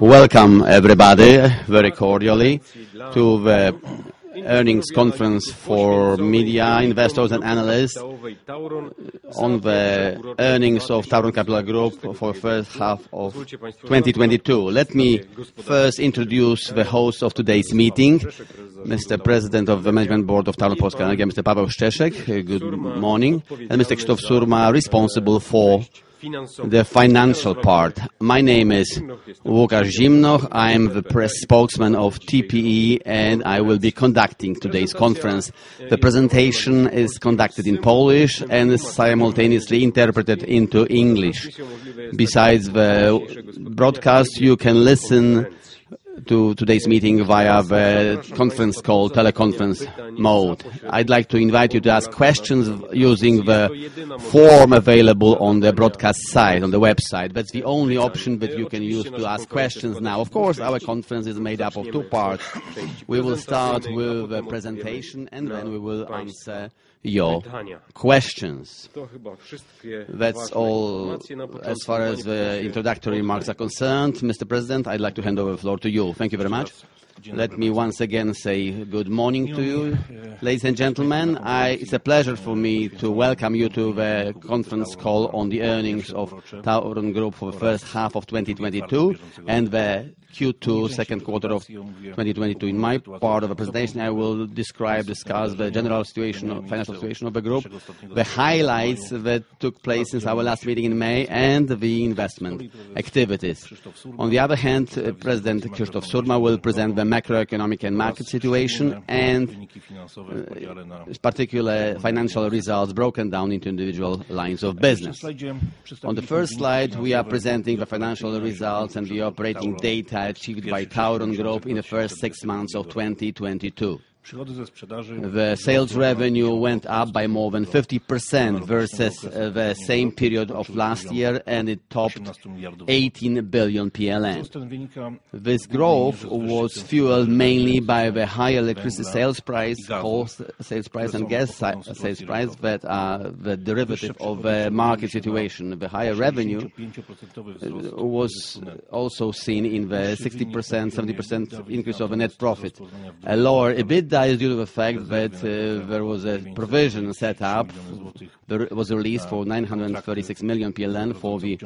Welcome, everybody, very cordially to the earnings conference for media, investors and analysts on the earnings of TAURON Capital Group for first half of 2022. Let me first introduce the host of today's meeting, Mr. President of the Management Board of TAURON Polska Energia, Mr. Paweł Szczeszek. Good morning. Mr. Krzysztof Surma, responsible for the financial part. My name is Łukasz Zimnoch. I'm the press spokesman of TPE, and I will be conducting today's conference. The presentation is conducted in Polish and is simultaneously interpreted into English. Besides the broadcast, you can listen to today's meeting via the conference call, teleconference mode. I'd like to invite you to ask questions using the form available on the broadcast site, on the website. That's the only option that you can use to ask questions now. Of course, our conference is made up of two parts. We will start with the presentation, and then we will answer your questions. That's all as far as the introductory remarks are concerned. Mr. President, I'd like to hand over the floor to you. Thank you very much. Let me once again say good morning to you, ladies and gentlemen. It's a pleasure for me to welcome you to the conference call on the earnings of TAURON Group for the first half of 2022 and the Q2, second quarter of 2022. In my part of the presentation, I will describe, discuss the general situation of, financial situation of the group, the highlights that took place since our last meeting in May and the investment activities. On the other hand, Vice President Krzysztof Surma will present the macroeconomic and market situation and, in particular, financial results broken down into individual lines of business. On the first slide, we are presenting the financial results and the operating data achieved by TAURON Group in the first six months of 2022. The sales revenue went up by more than 50% versus the same period of last year, and it topped 18 billion PLN. This growth was fueled mainly by the higher electricity sales price, coal sales price and gas sales price that are the derivative of the market situation. The higher revenue was also seen in the 60%, 70% increase of the net profit. A lower EBITDA is due to the fact that there was a provision set up. There was a release for 936 million PLN for the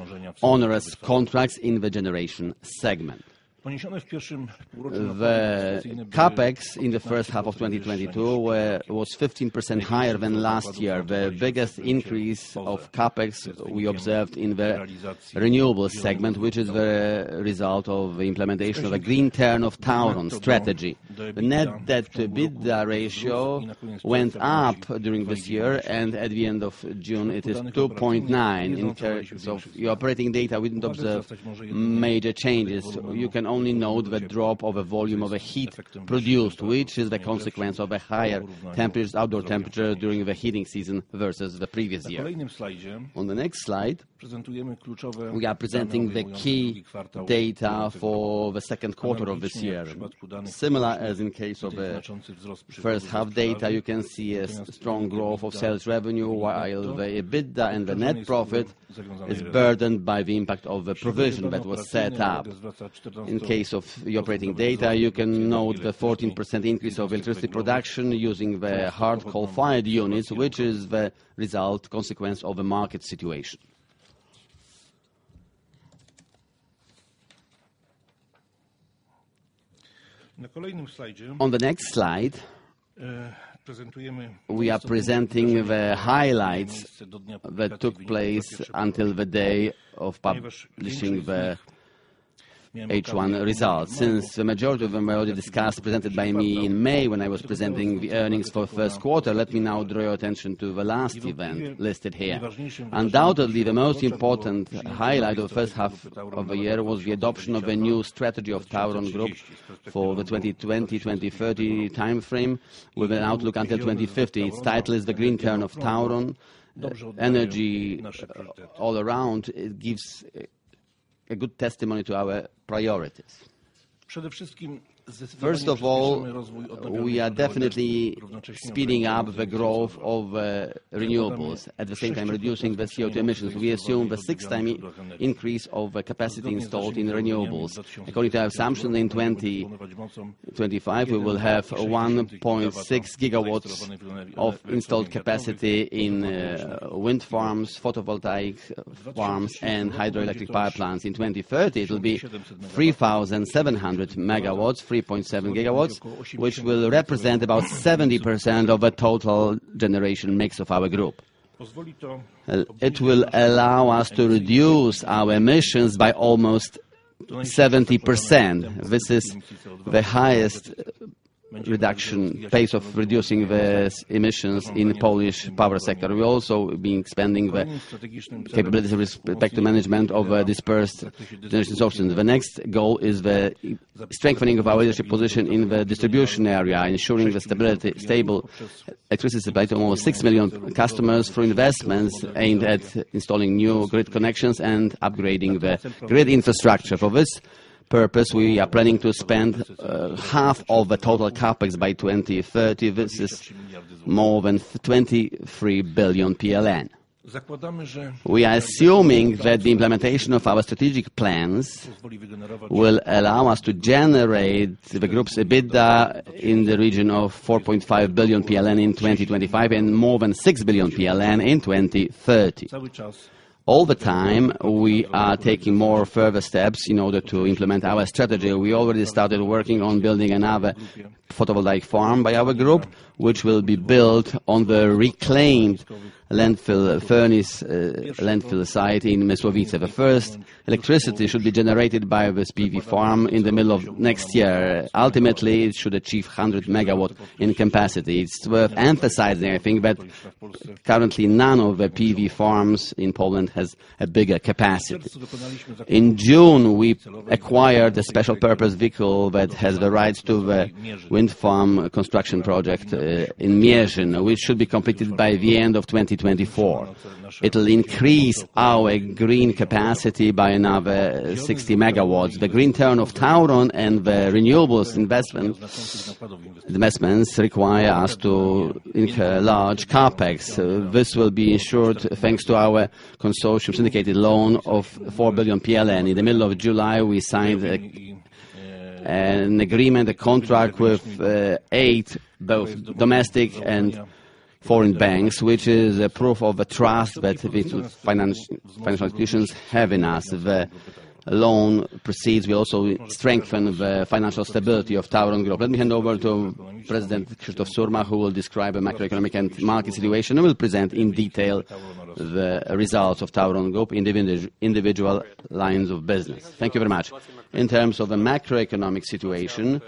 onerous contracts in the generation segment. The CapEx in the first half of 2022 was 15% higher than last year. The biggest increase of CapEx we observed in the renewables segment, which is the result of the implementation of the Green Turn of TAURON strategy. The net debt to EBITDA ratio went up during this year, and at the end of June it is 2.9. In terms of your operating data, we didn't observe major changes. You can only note the drop in volume of heat produced, which is the consequence of higher outdoor temperatures during the heating season versus the previous year. On the next slide, we are presenting the key data for the second quarter of this year. Similar as in the case of the first half data, you can see a strong growth of sales revenue, while the EBITDA and the net profit is burdened by the impact of the provision that was set up. In case of the operating data, you can note the 14% increase of electricity production using the hard coal-fired units, which is a consequence of the market situation. On the next slide, we are presenting the highlights that took place until the day of publishing the H1 results. Since the majority of them were already discussed, presented by me in May when I was presenting the earnings for first quarter, let me now draw your attention to the last event listed here. Undoubtedly, the most important highlight of first half of the year was the adoption of a new strategy of TAURON Group for the 2020-2030 timeframe, with an outlook until 2050. Its title is The Green Turn of TAURON. The energy all around gives a good testimony to our priorities. First of all, we are definitely speeding up the growth of renewables, at the same time reducing the CO2 emissions. We assume the six time increase of the capacity installed in renewables. According to our assumption, in 2025, we will have 1.6 GW of installed capacity in wind farms, photovoltaic farms, and hydroelectric power plants. In 2030, it will be 3,700 MW, 3.7 GW, which will represent about 70% of the total generation mix of our group. It will allow us to reduce our emissions by almost 70%. This is the highest reduction pace of reducing the emissions in Polish power sector. We've also been expanding the capability with respect to management of dispersed generation options. The next goal is the strengthening of our leadership position in the distribution area, ensuring stable electricity supply to more than 6 million customers through investments aimed at installing new grid connections and upgrading the grid infrastructure. For this purpose, we are planning to spend half of the total CapEx by 2030. This is more than 23 billion PLN. We are assuming that the implementation of our strategic plans will allow us to generate the group's EBITDA in the region of 4.5 billion PLN in 2025 and more than 6 billion PLN in 2030. All the time, we are taking more further steps in order to implement our strategy. We already started working on building another photovoltaic farm by our group, which will be built on the reclaimed landfill site in Mysłowice. The first electricity should be generated by this PV farm in the middle of next year. Ultimately, it should achieve 100 MW in capacity. It's worth emphasizing, I think that currently none of the PV farms in Poland has a bigger capacity. In June, we acquired a special purpose vehicle that has the rights to the wind farm construction project in Mierzęcin, which should be completed by the end of 2024. It'll increase our green capacity by another 60 MW. The Green Turn of TAURON and the renewables investments require us to incur large CapEx. This will be ensured, thanks to our consortium syndicated loan of 4 billion PLN. In the middle of July, we signed an agreement, a contract with eight both domestic and foreign banks, which is a proof of a trust that these financial institutions have in us. The loan proceeds will also strengthen the financial stability of TAURON Group. Let me hand over to President Krzysztof Surma, who will describe the macroeconomic and market situation. He will present in detail the results of TAURON Group individual lines of business. Thank you very much. In terms of the macroeconomic situation,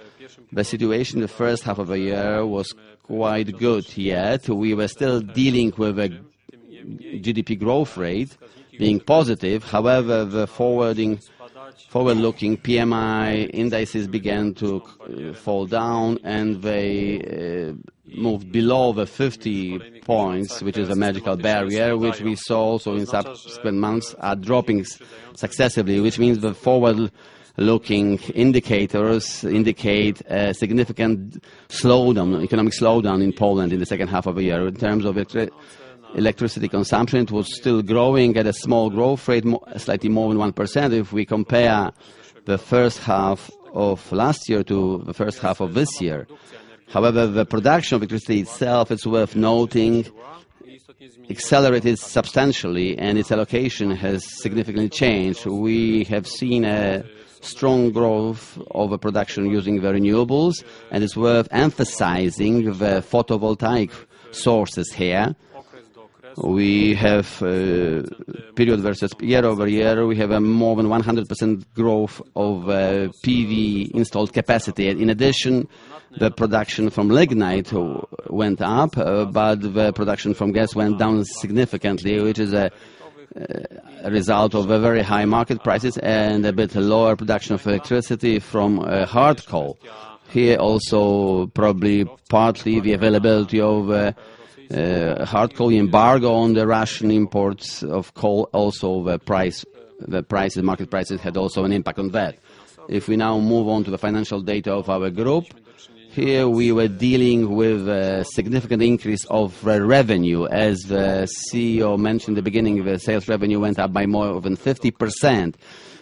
the situation in the first half of the year was quite good. Yet, we were still dealing with a GDP growth rate being positive. However, the forward-looking PMI indices began to fall down, and they moved below the 50 points, which is a magical barrier, which we saw also in subsequent months were dropping successively, which means the forward-looking indicators indicate a significant slowdown, economic slowdown in Poland in the second half of the year. In terms of electricity consumption, it was still growing at a small growth rate slightly more than 1% if we compare the first half of last year to the first half of this year. However, the production of electricity itself, it's worth noting, accelerated substantially, and its allocation has significantly changed. We have seen a strong growth of a production using the renewables, and it's worth emphasizing the photovoltaic sources here. We have, period versus year-over-year, we have a more than 100% growth of, PV installed capacity. In addition, the production from lignite went up, but the production from gas went down significantly, which is a result of a very high market prices and a bit lower production of electricity from, hard coal. Here also, probably partly the availability of hard coal embargo on the Russian imports of coal, also the prices, market prices had also an impact on that. If we now move on to the financial data of our group, here we were dealing with a significant increase of revenue. As the CEO mentioned at the beginning, the sales revenue went up by more than 50%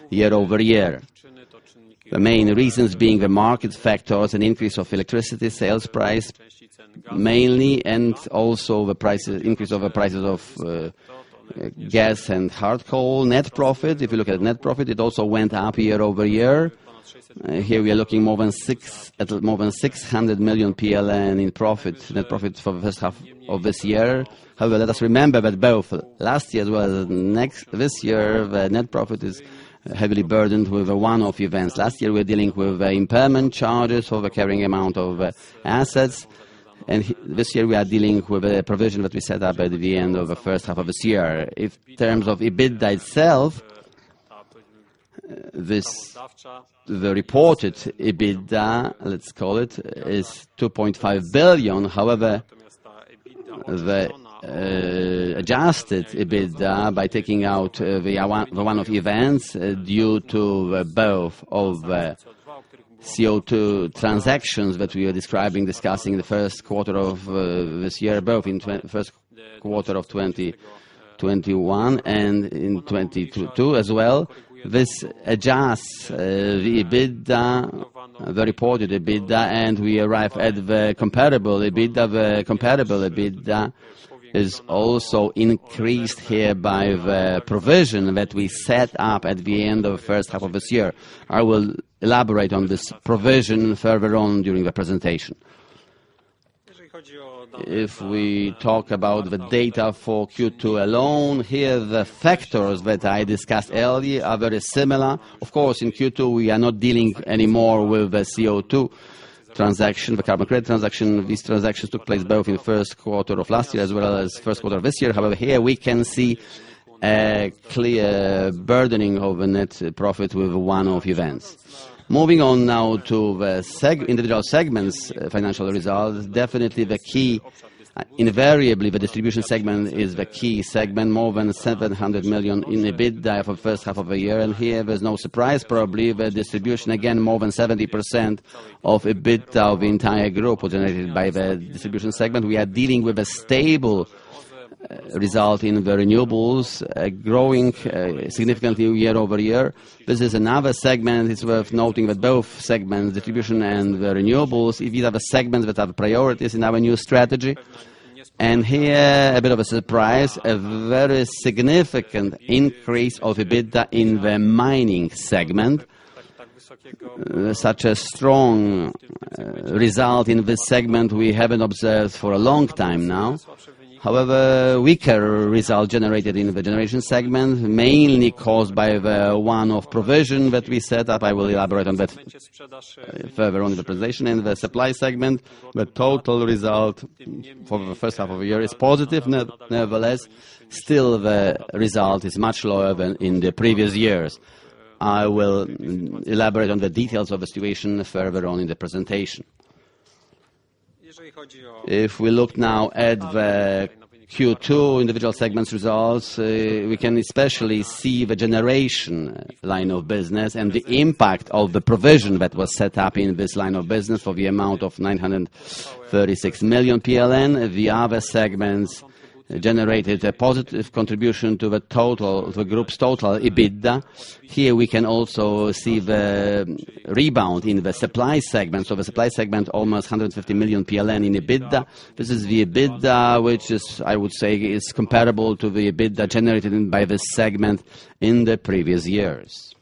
year-over-year. The main reasons being the market factors and increase of electricity sales price mainly and also the increase of the prices of gas and hard coal. Net profit, if you look at net profit, it also went up year-over-year. Here we are looking at more than 600 million PLN in profit, net profit for the first half of this year. However, let us remember that both last year as well as this year, the net profit is heavily burdened with one-off events. Last year, we were dealing with impairment charges for the carrying amount of assets. This year, we are dealing with a provision that we set up at the end of the first half of this year. In terms of EBITDA itself, the reported EBITDA, let's call it, is 2.5 billion. However, the adjusted EBITDA by taking out the one-off events due to both of the CO2 transactions that we are describing, discussing in the first quarter of this year, both in first quarter of 2021 and in 2022 as well. This adjusts the EBITDA, the reported EBITDA, and we arrive at the comparable EBITDA. The comparable EBITDA is also increased here by the provision that we set up at the end of first half of this year. I will elaborate on this provision further on during the presentation. If we talk about the data for Q2 alone, here the factors that I discussed earlier are very similar. Of course, in Q2, we are not dealing anymore with the CO2 transaction, the carbon credit transaction. These transactions took place both in first quarter of last year as well as first quarter of this year. However, here we can see a clear burdening of a net profit with one-off events. Moving on now to individual segments, financial results. Invariably, the distribution segment is the key segment, more than 700 million in EBITDA for first half of the year. Here, there's no surprise, probably. The distribution, again, more than 70% of EBITDA of the entire group was generated by the distribution segment. We are dealing with a stable result in the renewables, growing significantly year-over-year. This is another segment. It's worth noting that both segments, distribution and the renewables, these are the segments that are priorities in our new strategy. Here, a bit of a surprise, a very significant increase of EBITDA in the mining segment. Such a strong result in this segment we haven't observed for a long time now. However, weaker result generated in the generation segment, mainly caused by the one-off provision that we set up. I will elaborate on that further on in the presentation. In the supply segment, the total result for the first half of the year is positive. Nevertheless, still the result is much lower than in the previous years. I will elaborate on the details of the situation further on in the presentation. If we look now at the Q2 individual segments results, we can especially see the generation line of business and the impact of the provision that was set up in this line of business for the amount of 936 million PLN. The other segments generated a positive contribution to the total, the group's total EBITDA. Here we can also see the rebound in the supply segment. The supply segment almost 150 million PLN in EBITDA. This is the EBITDA, which is, I would say, is comparable to the EBITDA generated by this segment in the previous years.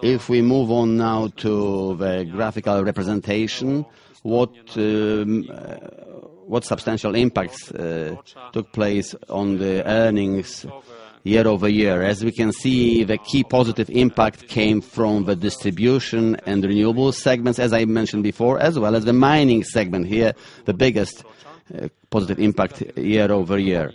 If we move on now to the graphical representation, what substantial impacts took place on the earnings year-over-year? As we can see, the key positive impact came from the distribution and renewable segments, as I mentioned before, as well as the mining segment. Here, the biggest positive impact year-over-year.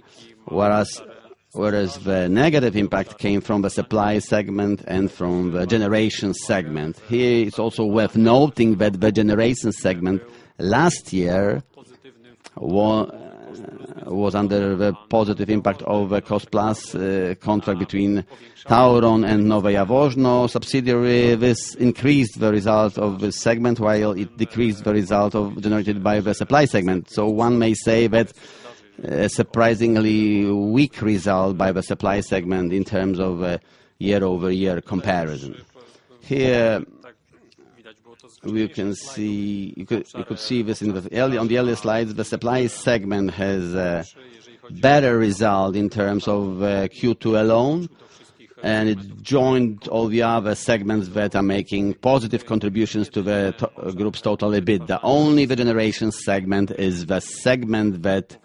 Whereas the negative impact came from the supply segment and from the generation segment. Here, it's also worth noting that the generation segment last year was under the positive impact of the cost plus contract between TAURON and Nowe Jaworzno Grupa TAURON subsidiary. This increased the result of the segment, while it decreased the result generated by the supply segment. One may say that a surprisingly weak result by the supply segment in terms of year-over-year comparison. Here, we can see. You could see this on the earlier slides, the supply segment has a better result in terms of Q2 alone, and it joined all the other segments that are making positive contributions to the group's total EBITDA. Only the generation segment is the segment that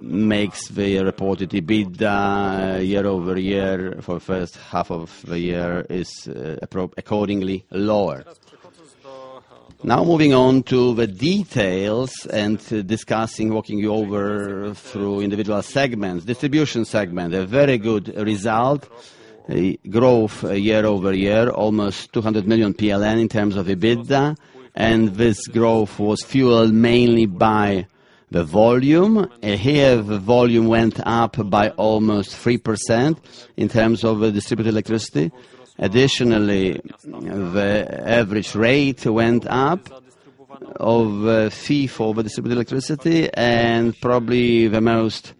makes the reported EBITDA year-over-year for first half of the year is accordingly lower. Now moving on to the details and discussing, walking you through individual segments. Distribution segment, a very good result. A growth year-over-year, almost 200 million PLN in terms of EBITDA, and this growth was fueled mainly by the volume. Here, the volume went up by almost 3% in terms of the distributed electricity. Additionally, the average rate went up of a fee for the distributed electricity and probably the most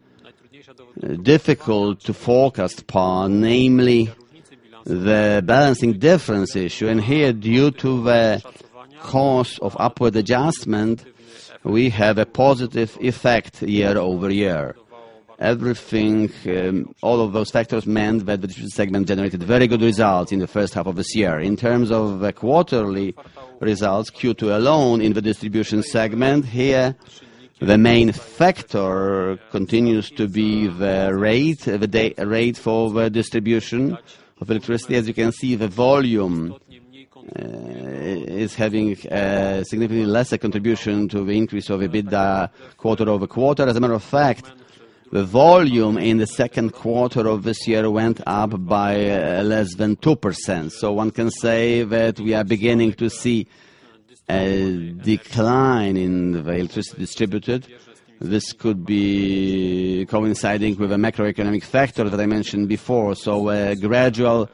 difficult to forecast part, namely the balancing difference issue. Here, due to the cost of upward adjustment, we have a positive effect year-over-year. Everything, all of those factors meant that the distribution segment generated very good results in the first half of this year. In terms of the quarterly results, Q2 alone in the distribution segment, here the main factor continues to be the rate, the rate for the distribution of electricity. As you can see, the volume is having a significantly lesser contribution to the increase of EBITDA quarter-over-quarter. As a matter of fact, the volume in the second quarter of this year went up by less than 2%. One can say that we are beginning to see a decline in the electricity distributed. This could be coinciding with the macroeconomic factor that I mentioned before. A gradual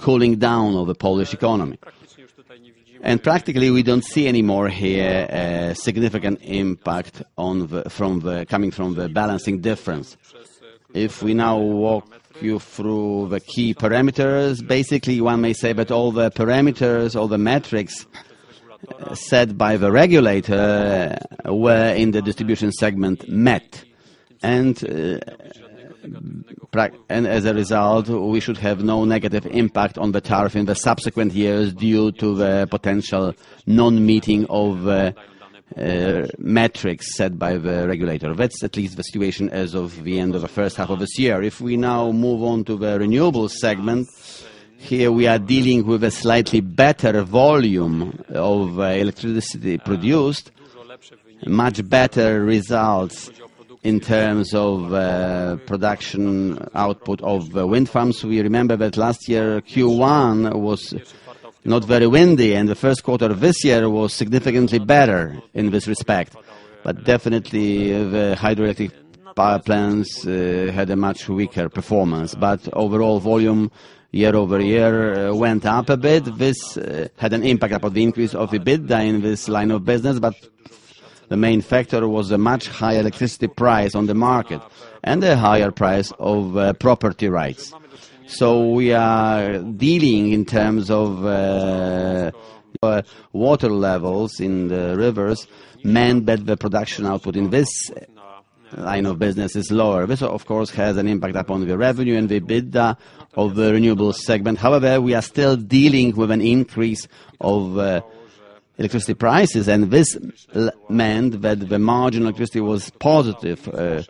cooling down of the Polish economy. Practically, we don't see any more here a significant impact coming from the balancing difference. If we now walk you through the key parameters, basically one may say that all the parameters, all the metrics set by the regulator were in the distribution segment met. As a result, we should have no negative impact on the tariff in the subsequent years due to the potential non-meeting of metrics set by the regulator. That's at least the situation as of the end of the first half of this year. If we now move on to the renewables segment, here we are dealing with a slightly better volume of electricity produced. Much better results in terms of production output of the wind farms. We remember that last year Q1 was not very windy, and the first quarter of this year was significantly better in this respect. Definitely, the hydroelectric power plants had a much weaker performance. Overall volume year-over-year went up a bit. This had an impact upon the increase of EBITDA in this line of business, but the main factor was a much higher electricity price on the market and a higher price of property rights. We are dealing in terms of water levels in the rivers meant that the production output in this line of business is lower. This, of course, has an impact upon the revenue and the EBITDA of the renewables segment. However, we are still dealing with an increase of electricity prices, and this meant that the electricity margin was positive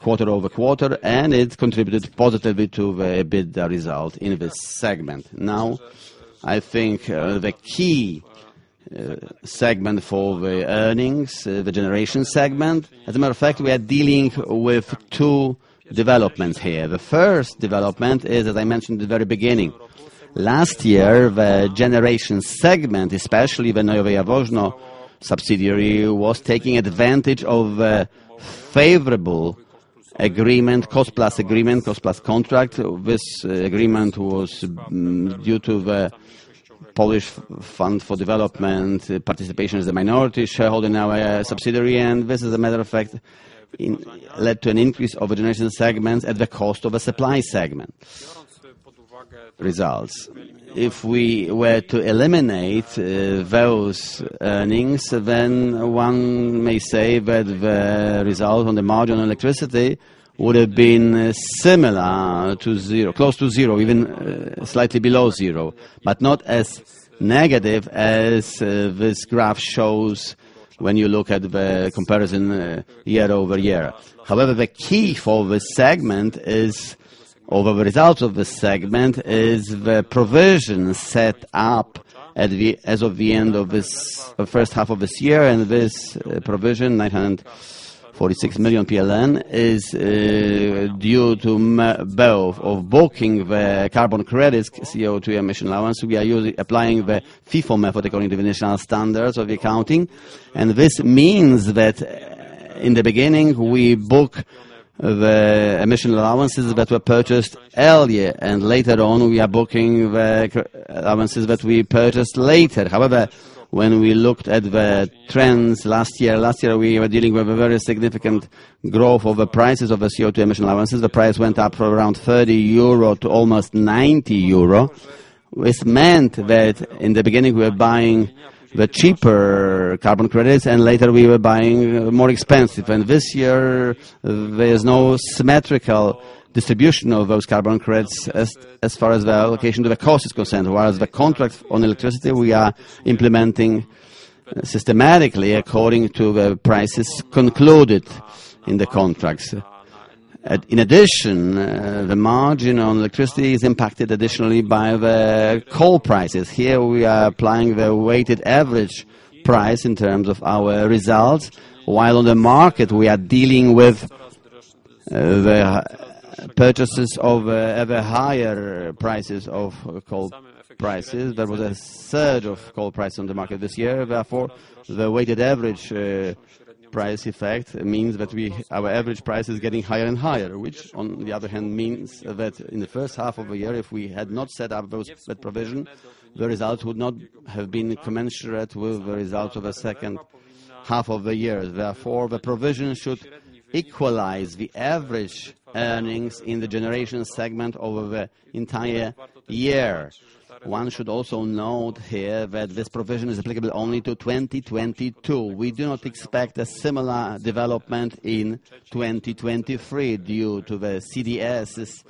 quarter-over-quarter, and it contributed positively to the EBITDA result in this segment. Now, I think the key segment for the earnings, the generation segment. As a matter of fact, we are dealing with two developments here. The first development is, as I mentioned at the very beginning, last year, the generation segment, especially the Nowe Jaworzno subsidiary, was taking advantage of a favorable agreement, cost plus agreement, cost plus contract. This agreement was due to the Polish Development Fund participation as a minority shareholder in our subsidiary. This, as a matter of fact, led to an increase of the generation segment at the cost of a supply segment results. If we were to eliminate those earnings, then one may say that the result on the electricity margin would have been similar to zero, close to zero, even slightly below zero, but not as negative as this graph shows when you look at the year-over-year comparison. However, the key for this segment is, or the results of this segment, is the provision set up as of the end of this first half of this year, and this provision, 946 million PLN, is due to both of booking the carbon credits CO2 emission allowance. We are applying the FIFO method according to the international standards of accounting. This means that in the beginning, we book the emission allowances that were purchased earlier, and later on, we are booking the allowances that we purchased later. However, when we looked at the trends last year, we were dealing with a very significant growth of the prices of the CO2 emission allowances. The price went up from around 30 euro to almost 90 euro, which meant that in the beginning we were buying the cheaper carbon credits, and later we were buying more expensive. This year, there is no symmetrical distribution of those carbon credits as far as the allocation to the cost is concerned. Whereas the contracts on electricity, we are implementing systematically according to the prices concluded in the contracts. In addition, the margin on electricity is impacted additionally by the coal prices. Here we are applying the weighted average price in terms of our results, while on the market we are dealing with the purchases at higher coal prices. There was a surge of coal prices on the market this year. Therefore, the weighted average price effect means that our average price is getting higher and higher, which on the other hand means that in the first half of the year, if we had not set up that provision, the result would not have been commensurate with the result of the second half of the year. Therefore, the provision should equalize the average earnings in the generation segment over the entire year. One should also note here that this provision is applicable only to 2022. We do not expect a similar development in 2023 due to the CfDs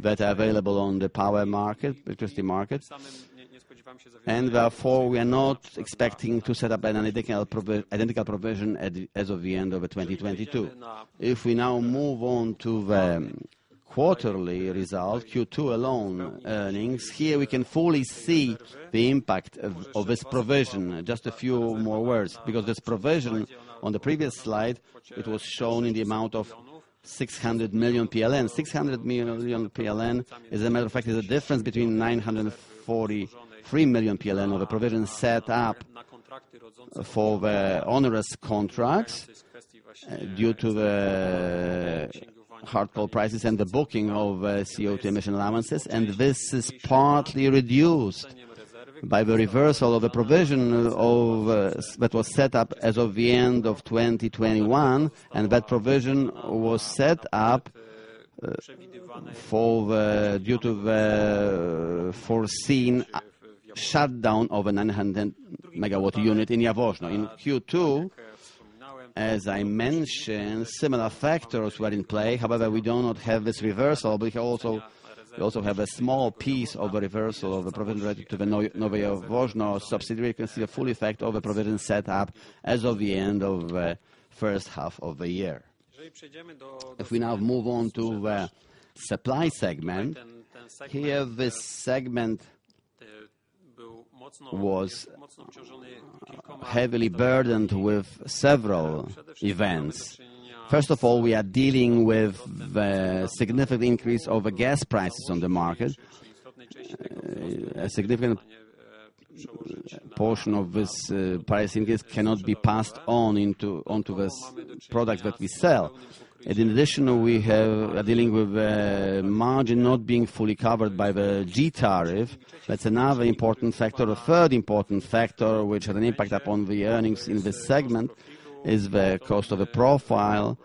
that are available on the power market, electricity markets. Therefore, we are not expecting to set up an identical provision as of the end of the 2022. If we now move on to the quarterly result, Q2 alone earnings, here we can fully see the impact of this provision. Just a few more words, because this provision on the previous slide, it was shown in the amount of 600 million PLN. 600 million PLN, as a matter of fact, is the difference between 943 million PLN of the provision set up for the onerous contracts due to the hard coal prices and the booking of CO2 emission allowances. This is partly reduced by the reversal of the provision that was set up as of the end of 2021, and that provision was set up due to the foreseen shutdown of a 900 MW unit in Jaworzno. In Q2, as I mentioned, similar factors were in play. However, we do not have this reversal, but we also have a small piece of a reversal of the provision related to the Nowe Jaworzno subsidiary. You can see the full effect of the provision set up as of the end of first half of the year. If we now move on to the supply segment. Here, this segment was heavily burdened with several events. First of all, we are dealing with the significant increase of the gas prices on the market. A significant portion of this price increase cannot be passed on into, onto this product that we sell. In addition, we are dealing with the margin not being fully covered by the G tariff. That's another important factor. The third important factor, which had an impact upon the earnings in this segment, is the cost of the profile.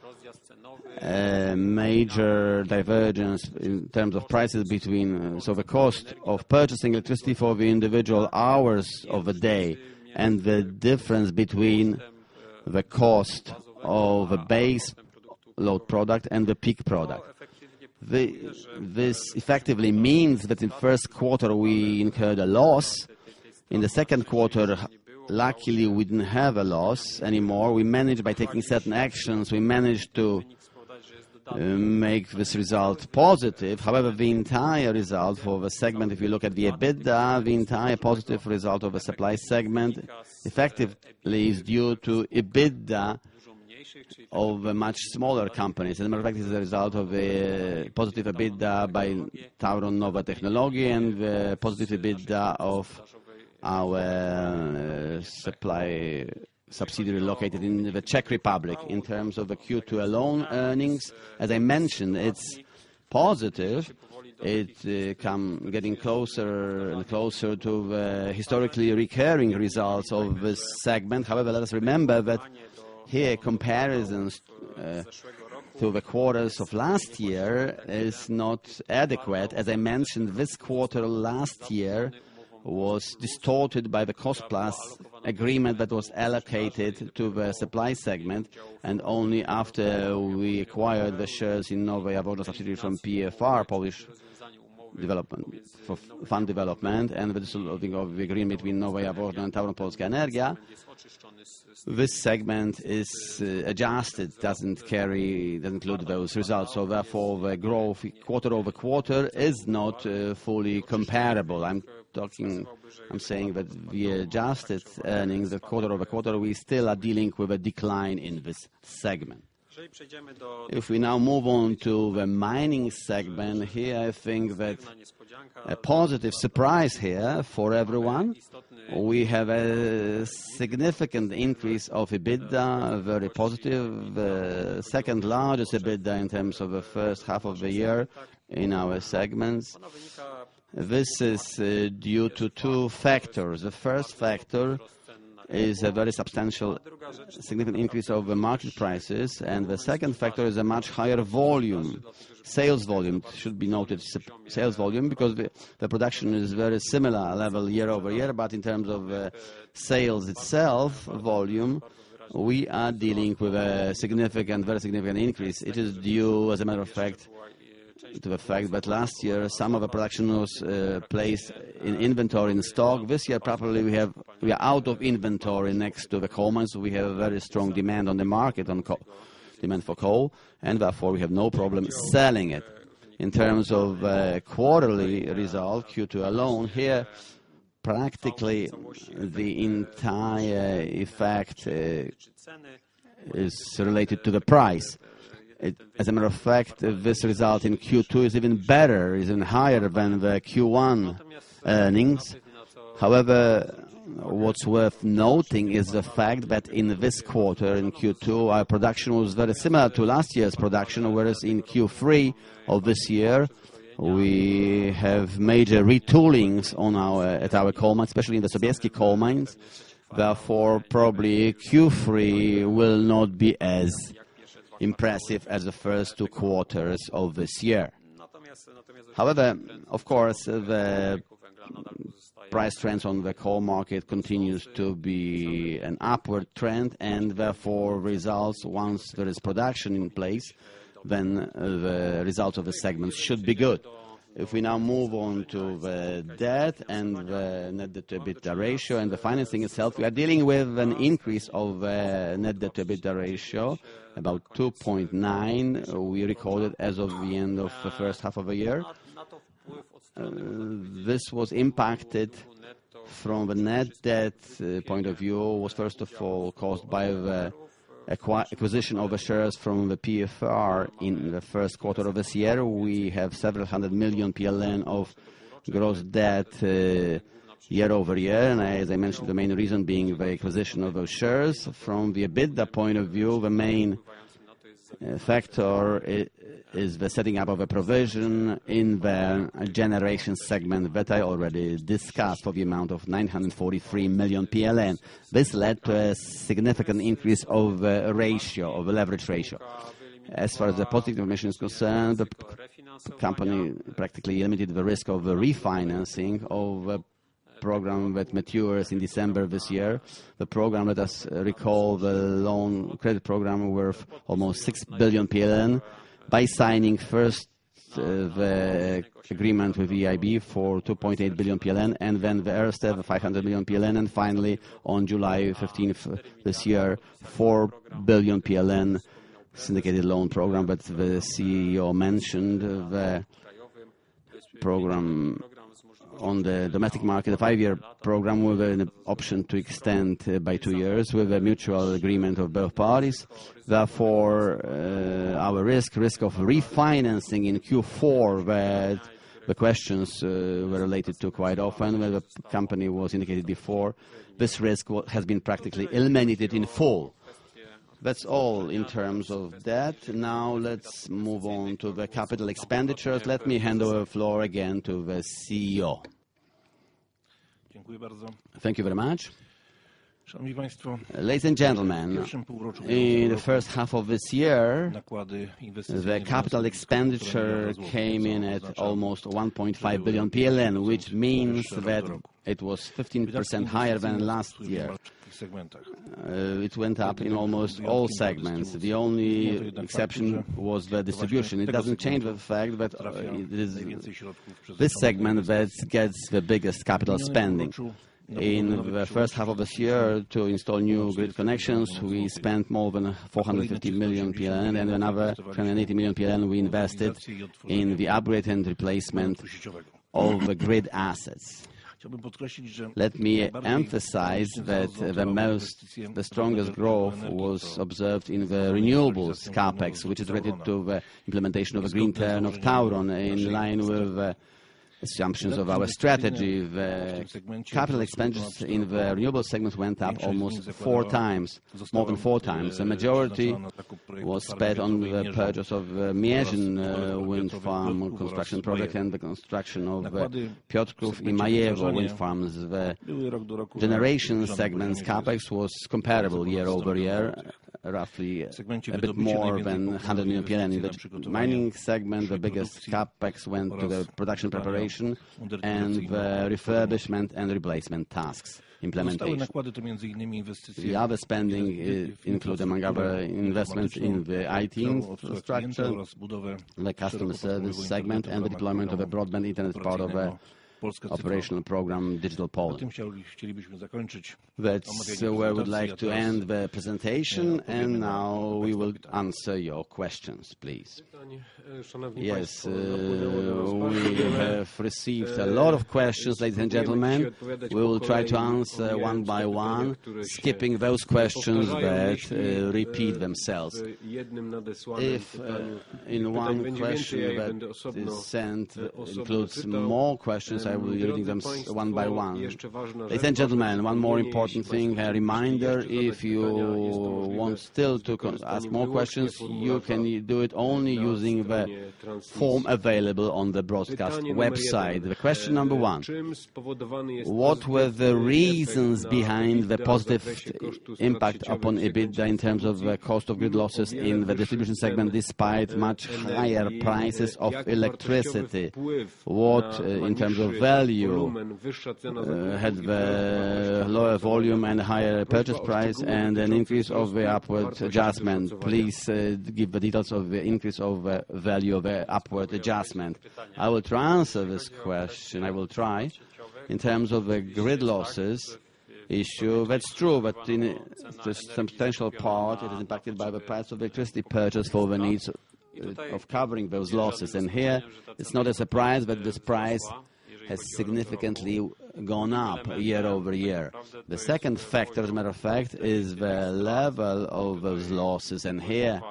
Major divergence in terms of prices between the cost of purchasing electricity for the individual hours of the day and the difference between the cost of a base load product and the peak product. This effectively means that in first quarter we incurred a loss. In the second quarter, luckily, we didn't have a loss anymore. We managed by taking certain actions to make this result positive. However, the entire result for the segment, if you look at the EBITDA, the entire positive result of a supply segment effectively is due to EBITDA of a much smaller company. As a matter of fact, this is a result of positive EBITDA by TAURON Nowe Technologie and the positive EBITDA of our supply subsidiary located in the Czech Republic. In terms of the Q2 alone earnings, as I mentioned, it's positive. It getting closer and closer to the historically recurring results of this segment. However, let us remember that here comparisons to the quarters of last year is not adequate. As I mentioned, this quarter last year was distorted by the cost plus agreement that was allocated to the supply segment, and only after we acquired the shares in Nowe Jaworzno subsidiary from PFR, Polish Development Fund, and the dissolving of the agreement between Nowe Jaworzno and TAURON Polska Energia. This segment is adjusted, doesn't carry, doesn't include those results. Therefore, the growth quarter-over-quarter is not fully comparable. I'm talking, I'm saying that the adjusted earnings quarter-over-quarter, we still are dealing with a decline in this segment. If we now move on to the mining segment, here I think that a positive surprise for everyone. We have a significant increase in EBITDA, a very positive second largest EBITDA in terms of the first half of the year in our segments. This is due to two factors. The first factor is a very substantial, significant increase over market prices, and the second factor is a much higher volume, sales volume. It should be noted sales volume, because the production is very similar level year-over-year. In terms of sales volume itself, we are dealing with a significant, very significant increase. It is due, as a matter of fact, to the fact that last year some of the production was placed in inventory, in stock. This year, probably we are out of inventory next to the coal mines. We have a very strong demand on the market, demand for coal, and therefore we have no problem selling it. In terms of quarterly result, Q2 alone, here, practically the entire effect is related to the price. It, as a matter of fact, this result in Q2 is even better, is even higher than the Q1 earnings. However, what's worth noting is the fact that in this quarter, in Q2, our production was very similar to last year's production, whereas in Q3 of this year, we have major retoolings at our coal mines, especially in the Sobieski coal mines. Therefore, probably Q3 will not be as impressive as the first two quarters of this year. However, of course, the price trends on the coal market continues to be an upward trend, and therefore results once there is production in place, then the results of the segment should be good. If we now move on to the debt and the net debt to EBITDA ratio and the financing itself, we are dealing with an increase of net debt to EBITDA ratio, about 2.9, we recorded as of the end of the first half of the year. This was impacted from the net debt point of view, was first of all caused by the acquisition of the shares from the PFR in the first quarter of this year. We have 700 million PLN of gross debt year over year. As I mentioned, the main reason being the acquisition of those shares. From the EBITDA point of view, the main factor is the setting up of a provision in the generation segment that I already discussed of the amount of 943 million PLN. This led to a significant increase of ratio of the leverage ratio. As far as the positive information is concerned, the company practically eliminated the risk of refinancing of a program that matures in December this year. The program, let us recall, the loan credit program worth almost 6 billion PLN, by signing first the agreement with EIB for 2.8 billion PLN, and then the 500 million PLN, and finally, on July 15th this year, 4 billion PLN syndicated loan program that the CEO mentioned, the program on the domestic market, a five-year program with an option to extend by two years with a mutual agreement of both parties. Therefore, our risk of refinancing in Q4, where the questions were related to quite often, where the company was indicated before, this risk has been practically eliminated in full. That's all in terms of debt. Now let's move on to the capital expenditures. Let me hand over the floor again to the CEO. Thank you very much. Ladies and gentlemen, in the first half of this year, the capital expenditure came in at almost 1.5 billion PLN, which means that it was 15% higher than last year. It went up in almost all segments. The only exception was the distribution. It doesn't change the fact that this segment that gets the biggest capital spending. In the first half of this year to install new grid connections, we spent more than 450 million PLN, and another 280 million PLN we invested in the upgrade and replacement of the grid assets. Let me emphasize that the strongest growth was observed in the renewables CapEx, which is related to the implementation of a green plan of TAURON in line with the assumptions of our strategy. The capital expenditures in the renewable segment went up almost four times, more than four times. The majority was spent on the purchase of Mierzęcin wind farm construction project and the construction of Piotrków and Majewo wind farms. The generation segment's CapEx was comparable year-over-year, roughly a bit more than 100 million PLN. In the mining segment, the biggest CapEx went to the production preparation and the refurbishment and replacement tasks implementation. The other spending include among other investments in the IT infrastructure, the customer service segment, and the deployment of a broadband internet part of a operational program, Digital Poland. That's where we would like to end the presentation, and now we will answer your questions, please. Yes, we have received a lot of questions, ladies and gentlemen. We will try to answer one by one, skipping those questions that repeat themselves. If in one question that is sent includes more questions, I will be reading them one by one. Ladies and gentlemen, one more important thing, a reminder, if you want still to ask more questions, you can do it only using the form available on the broadcast website. The question number one, what were the reasons behind the positive impact upon EBITDA in terms of the cost of grid losses in the distribution segment, despite much higher prices of electricity? What in terms of value had the lower volume and higher purchase price and an increase of the upward adjustment? Please, give the details of the increase of the value of the upward adjustment. I will try to answer this question. In terms of the grid losses issue, that's true, but in the substantial part, it is impacted by the price of electricity purchased for the needs of covering those losses. Here, it's not a surprise that this price has significantly gone up year-over-year. The second factor, as a matter of fact, is the level of those losses. Here,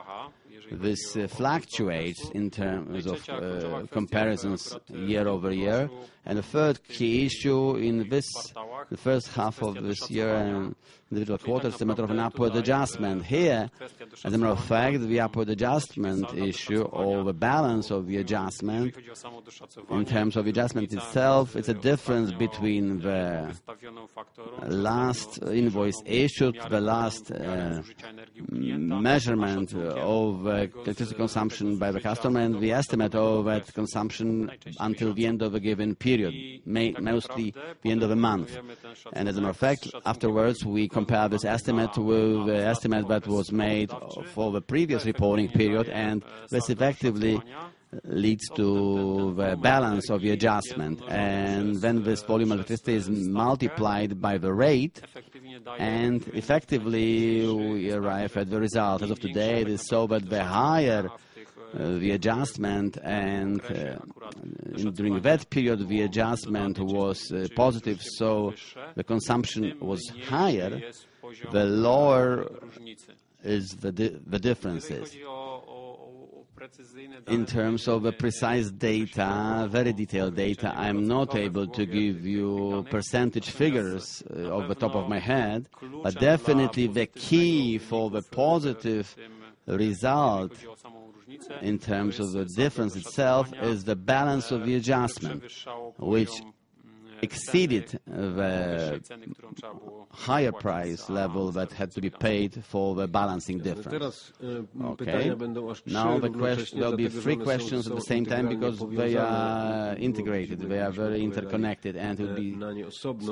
this fluctuates in terms of comparisons year-over-year. The third key issue in this, the first half of this year and the digital quarters is the matter of an upward adjustment. Here, as a matter of fact, the upward adjustment issue or the balance of the adjustment in terms of adjustment itself, it's a difference between the last invoice issued, the last measurement of electricity consumption by the customer and the estimate of that consumption until the end of a given period, mostly the end of the month. As a matter of fact, afterwards, we compare this estimate with the estimate that was made for the previous reporting period, and this effectively leads to the balance of the adjustment. Then this volume of electricity is multiplied by the rate, and effectively, we arrive at the result. As of today, it is so that the higher the adjustment and, during that period, the adjustment was positive, so the consumption was higher, the lower is the difference. In terms of the precise data, very detailed data, I'm not able to give you percentage figures off the top of my head, but definitely the key for the positive result in terms of the difference itself is the balance of the adjustment, which exceeded the higher price level that had to be paid for the balancing difference. Okay. Now there'll be three questions at the same time because they are integrated. They are very interconnected, and it would be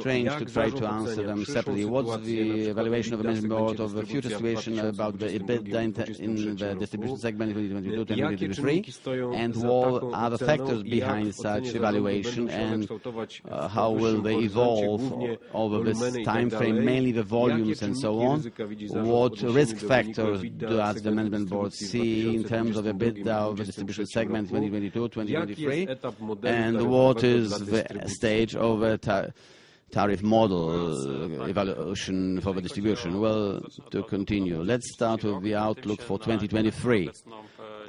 strange to try to answer them separately. What's the evaluation of the management board of the future situation about the EBITDA in the distribution segment in 2022, 2023? And what are the factors behind such evaluation, and how will they evolve over this timeframe, mainly the volumes and so on? What risk factor does the management board see in terms of EBITDA of the distribution segment in 2022, 2023? What is the stage of the tariff model evaluation for the distribution? Well, to continue. Let's start with the outlook for 2023.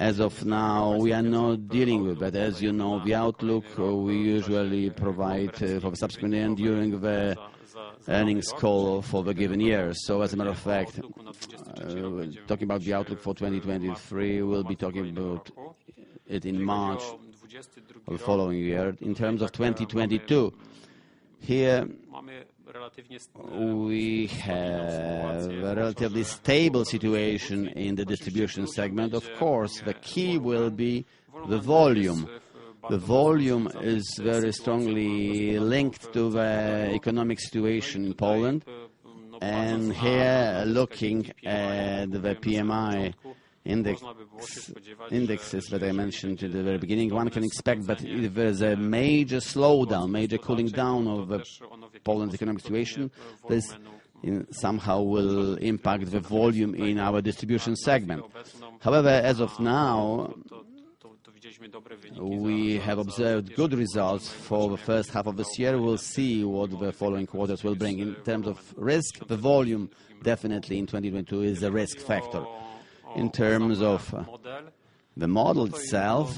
As of now, we are not dealing with that. As you know, the outlook we usually provide for the subsequent year during the earnings call for the given year. As a matter of fact, talking about the outlook for 2023, we'll be talking about it in March of the following year. In terms of 2022, here we have a relatively stable situation in the distribution segment. Of course, the key will be the volume. The volume is very strongly linked to the economic situation in Poland. Here, looking at the PMI index, indexes that I mentioned at the very beginning, one can expect that if there's a major slowdown, major cooling down of the Polish economic situation, this somehow will impact the volume in our distribution segment. However, as of now, we have observed good results for the first half of this year. We'll see what the following quarters will bring. In terms of risk, the volume definitely in 2022 is a risk factor. In terms of the model itself,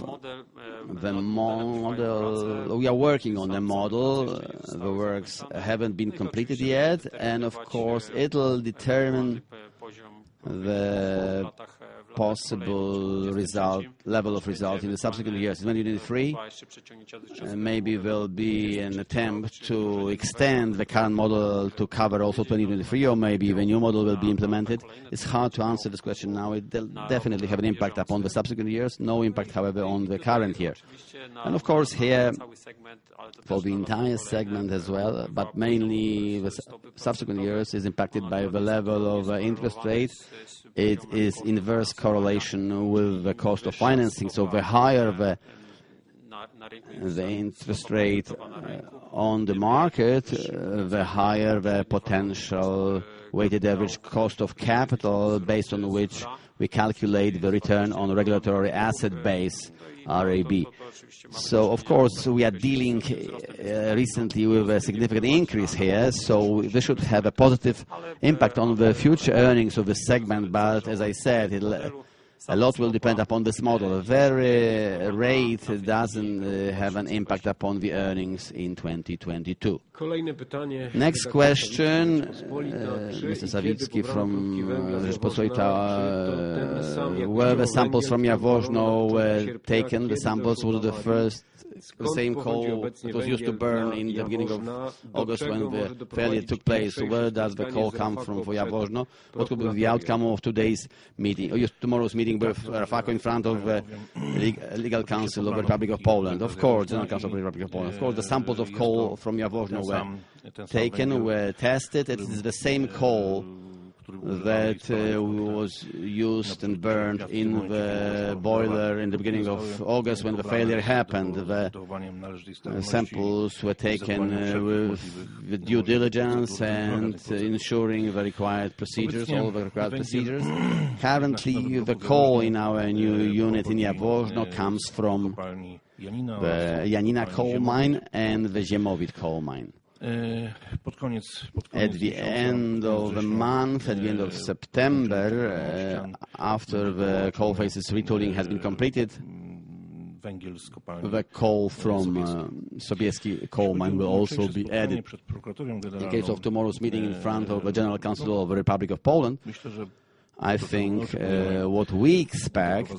the model. We are working on the model. The works haven't been completed yet. Of course, it'll determine the possible result, level of result in the subsequent years. In 2023, maybe there'll be an attempt to extend the current model to cover also 2023, or maybe the new model will be implemented. It's hard to answer this question now. It'll definitely have an impact upon the subsequent years. No impact, however, on the current year. Of course, here, for the entire segment as well, but mainly the subsequent years, is impacted by the level of interest rates. It is inverse correlation with the cost of financing. The higher the interest rate on the market, the higher the potential weighted average cost of capital based on which we calculate the return on regulatory asset base, RAB. Of course, we are dealing recently with a significant increase here, so this should have a positive impact on the future earnings of the segment. As I said, it'll, a lot will depend upon this model. The very rate doesn't have an impact upon the earnings in 2022. Next question, Mr. Sawicki from Rzeczpospolita. Were the samples from Jaworzno taken? The samples, were they the same coal that was used to burn in the beginning of August when the failure took place? Where does the coal come from for Jaworzno? What will be the outcome of today's meeting or tomorrow's meeting with RAFAKO in front of the General Counsel of the Republic of Poland? Of course, General Counsel of the Republic of Poland. Of course, the samples of coal from Jaworzno were taken, were tested. It is the same coal that was used and burned in the boiler in the beginning of August when the failure happened. The samples were taken with due diligence and ensuring the required procedures, all the required procedures. Currently, the coal in our new unit in Jaworzno comes from the Janina coal mine and the Ziemowit coal mine. At the end of the month, at the end of September, after the coal phase's retooling has been completed, the coal from Sobieski coal mine will also be added. In case of tomorrow's meeting in front of the General Counsel of the Republic of Poland, I think what we expect to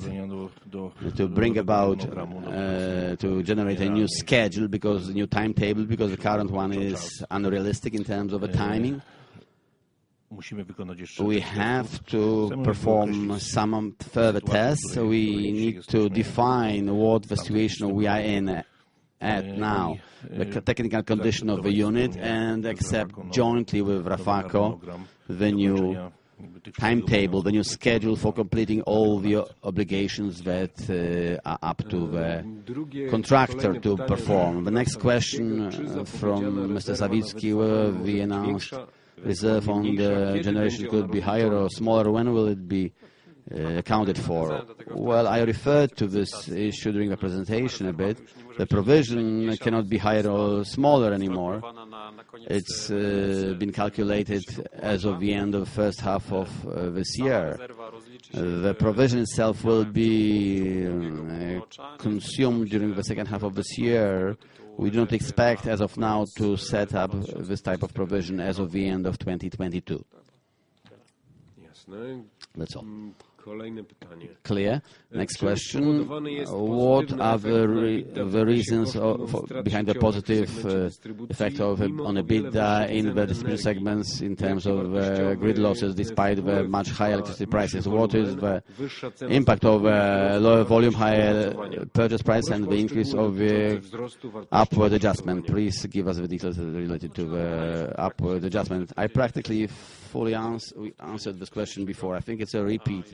generate a new schedule, new timetable, because the current one is unrealistic in terms of the timing. We have to perform some further tests. We need to define what the situation we are in at now, the technical condition of the unit, and accept jointly with RAFAKO the new timetable, the new schedule for completing all the obligations that are up to the contractor to perform. The next question from Mr. Sawicki, we announced reserve on the generation could be higher or smaller. When will it be accounted for? Well, I referred to this issue during the presentation a bit. The provision cannot be higher or smaller anymore. It's been calculated as of the end of first half of this year. The provision itself will be consumed during the second half of this year. We do not expect as of now to set up this type of provision as of the end of 2022. That's all. Clear. Next question. What are the reasons behind the positive effect on EBITDA in the distribution segments in terms of grid losses despite the much higher electricity prices? What is the impact of lower volume, higher purchase price, and the increase of the upward adjustment? Please give us the details related to the upward adjustment. I practically fully answered this question before. I think it's a repeat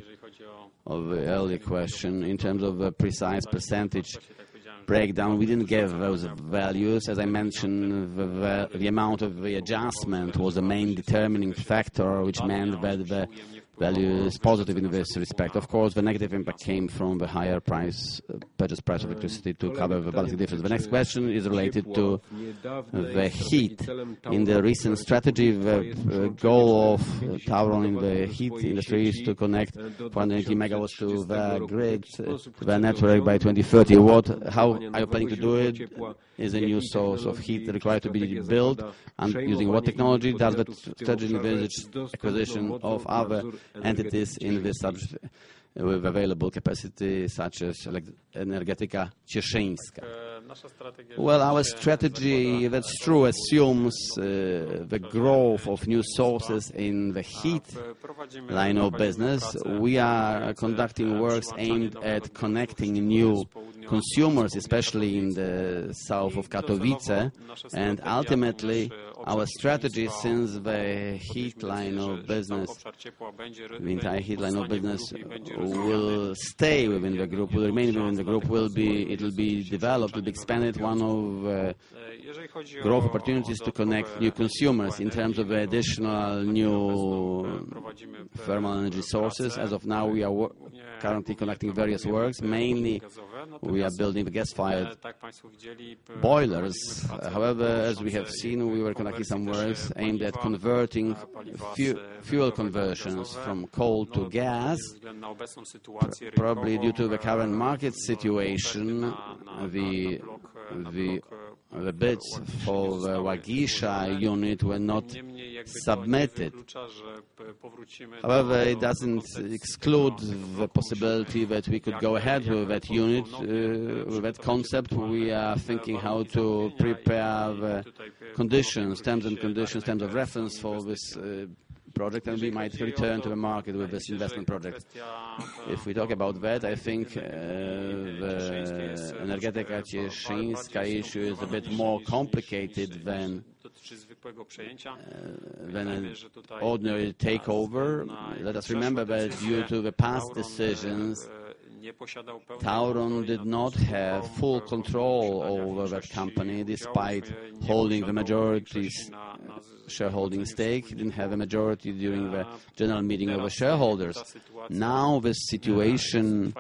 of the earlier question. In terms of a precise percentage breakdown, we didn't give those values. As I mentioned, the amount of the adjustment was the main determining factor, which meant that the value is positive in this respect. Of course, the negative impact came from the higher purchase price of electricity to cover the balance difference. The next question is related to the heat. In the recent strategy, the goal of TAURON in the heat industry is to connect 180 MW to the grid, the network by 2030. How are you planning to do it? Is a new source of heat required to be built, and using what technology? Does that strategy envisage acquisition of other entities in this subsector with available capacity such as Energetyka Cieszyńska? Our strategy, that's true, assumes the growth of new sources in the heat line of business. We are conducting works aimed at connecting new consumers, especially in the south of Katowice. Ultimately, our strategy, since the heat line of business, the entire heat line of business will remain within the group, it'll be developed, will be expanded. One of growth opportunities to connect new consumers. In terms of additional new thermal energy sources, as of now, we are currently conducting various works. Mainly, we are building the gas-fired boilers. However, as we have seen, we were conducting some works aimed at converting fuel conversions from coal to gas. Probably due to the current market situation, the bids for the Łagiewniki unit were not submitted. However, it doesn't exclude the possibility that we could go ahead with that unit, with that concept. We are thinking how to prepare the conditions, terms and conditions, terms of reference for this, project, and we might return to the market with this investment project. If we talk about that, I think, the Energetyka Cieszyńska issue is a bit more complicated than an ordinary takeover. Let us remember that due to the past decisions, TAURON did not have full control over that company despite holding the majority's shareholding stake. Didn't have a majority during the general meeting of the shareholders. Now, this situation,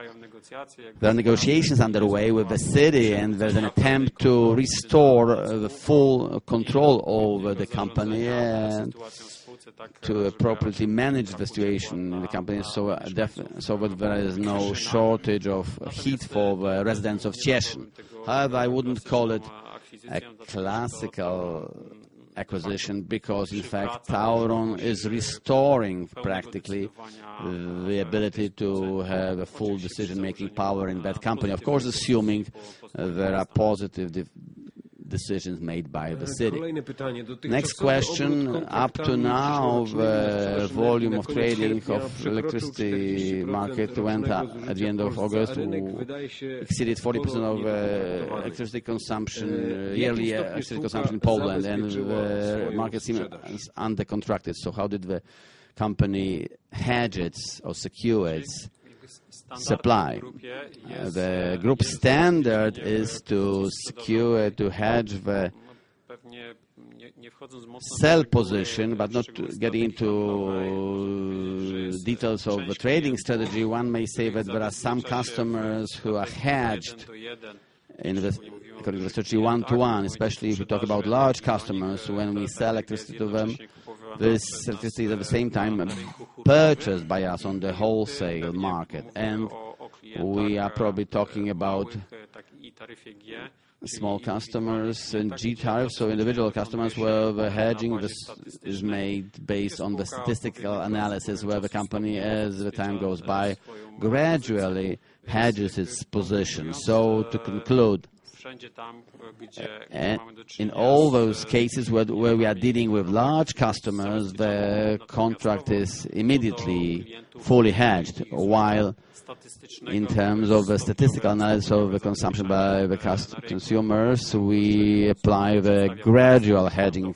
there are negotiations underway with the city, and there's an attempt to restore the full control over the company and to appropriately manage the situation in the company so that there is no shortage of heat for the residents of Cieszyn. However, I wouldn't call it a classical acquisition because, in fact, TAURON is restoring practically the ability to have a full decision-making power in that company. Of course, assuming there are positive decisions made by the city. Next question, up to now, the volume of trading of electricity market went up at the end of August to exceed 40% of electricity consumption earlier, electricity consumption in Poland, and the market is under contracted. So how did the company hedge it or secure its supply? The group standard is to secure, to hedge the sell position, but not get into details of the trading strategy. One may say that there are some customers who are hedged in this for one to one, especially if we talk about large customers, when we sell electricity to them, this statistically at the same time purchased by us on the wholesale market. We are probably talking about small customers in G tariffs or individual customers where the hedging this is made based on the statistical analysis, where the company, as the time goes by, gradually hedges its position. To conclude, in all those cases where we are dealing with large customers, the contract is immediately fully hedged. While in terms of the statistical analysis of the consumption by the consumers, we apply the gradual hedging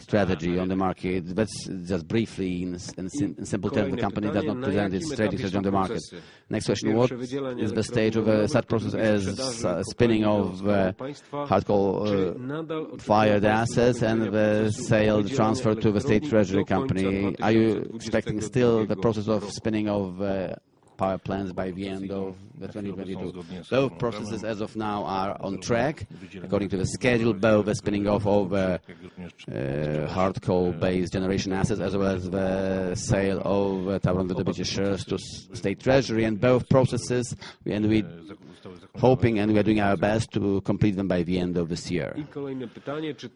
strategy on the market. That's just briefly. In simple terms, the company does not present its trading strategy on the market. Next question, what is the stage of such a process as spinning off hard coal fired assets and the sale transfer to the State Treasury company? Are you expecting still the process of spinning off power plants by the end of 2022? Both processes as of now are on track according to the schedule, both the spinning off of hard coal base generation assets, as well as the sale of TAURON shares to State Treasury. Both processes, we are hoping, we are doing our best to complete them by the end of this year.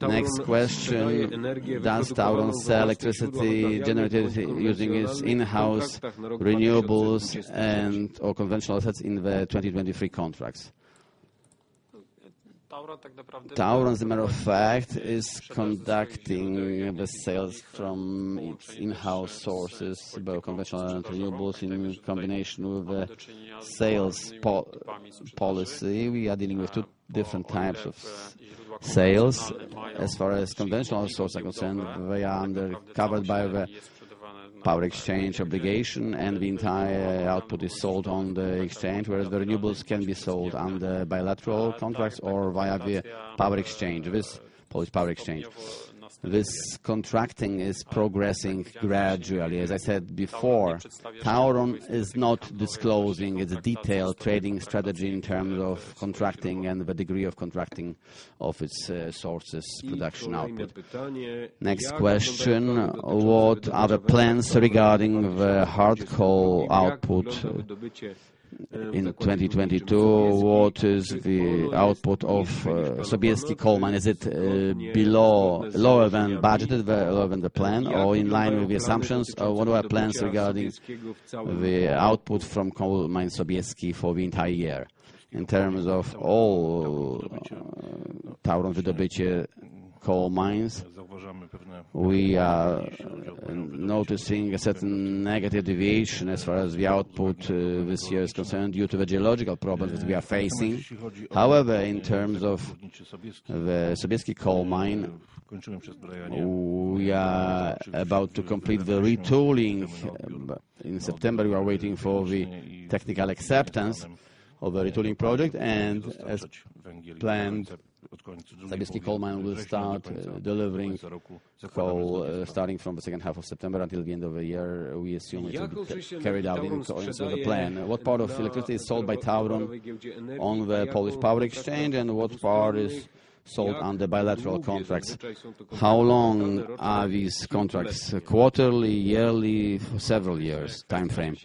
Next question, does TAURON sell electricity generated using its in-house renewables and/or conventional assets in the 2023 contracts? TAURON, as a matter of fact, is conducting the sales from its in-house sources, both conventional and renewable, in combination with the sales policy. We are dealing with two different types of sales. As far as conventional sources are concerned, they are covered by the power exchange obligation, and the entire output is sold on the exchange. Whereas the renewables can be sold under bilateral contracts or via the power exchange. This Polish Power Exchange. This contracting is progressing gradually. As I said before, TAURON is not disclosing its detailed trading strategy in terms of contracting and the degree of contracting of its sources production output. Next question, what are the plans regarding the hard coal output in 2022? What is the output of Sobieski coal mine? Is it below, lower than budgeted, lower than the plan, or in line with the assumptions? What are our plans regarding the output from coal mine Sobieski for the entire year? In terms of all TAURON Wydobycie coal mines, we are noticing a certain negative deviation as far as the output this year is concerned due to the geological problems we are facing. However, in terms of the Sobieski coal mine, we are about to complete the retooling. In September, we are waiting for the technical acceptance of the retooling project and as planned, Sobieski coal mine will start delivering coal, starting from the second half of September until the end of the year. We assume it will be carried out in accordance with the plan. What part of electricity is sold by TAURON on the Polish Power Exchange and what part is sold under bilateral contracts? How long are these contracts? Quarterly, yearly, several years timeframe?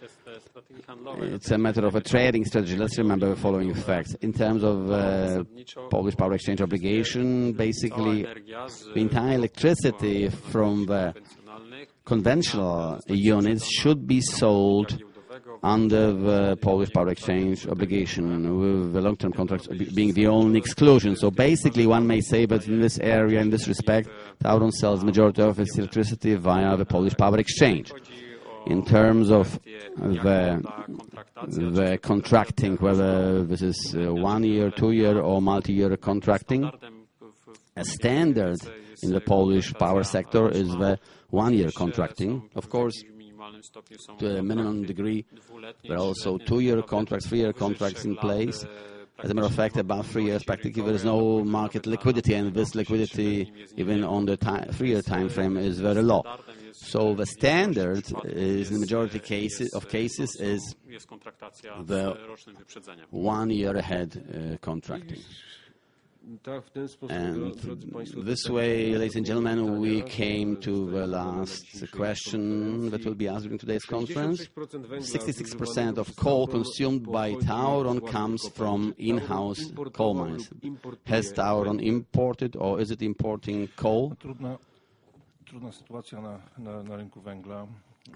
It's a matter of a trading strategy. Let's remember the following facts. In terms of Polish Power Exchange obligation, basically, the entire electricity from the conventional units should be sold under the Polish Power Exchange obligation, with the long-term contracts being the only exclusion. Basically, one may say that in this area, in this respect, TAURON sells majority of its electricity via the Polish Power Exchange. In terms of the contracting, whether this is one-year, two-year, or multi-year contracting, a standard in the Polish power sector is the one-year contracting. Of course, to a minimum degree, there are also two-year contracts, three-year contracts in place. As a matter of fact, about three years, practically, there is no market liquidity, and this liquidity, even on the three-year timeframe, is very low. The standard is the majority of cases is the one year ahead contracting. This way, ladies and gentlemen, we came to the last question that will be asked during today's conference. 66% of coal consumed by TAURON comes from in-house coal mines. Has TAURON imported or is it importing coal?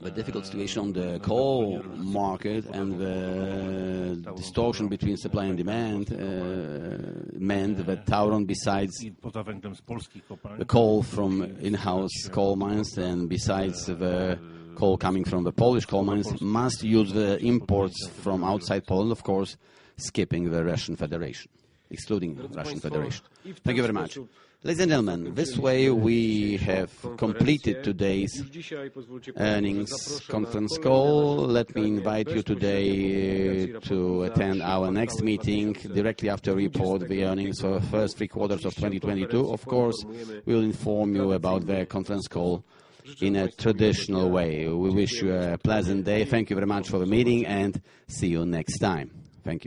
The difficult situation, the coal market and the distortion between supply and demand, meant that TAURON, besides the coal from in-house coal mines, and besides the coal coming from the Polish coal mines, must use the imports from outside Poland, of course, skipping the Russian Federation, excluding the Russian Federation. Thank you very much. Ladies and gentlemen, this way we have completed today's earnings conference call. Let me invite you today to attend our next meeting directly after we report the earnings for the first three quarters of 2022. Of course, we'll inform you about the conference call in a traditional way. We wish you a pleasant day. Thank you very much for the meeting and see you next time. Thank you.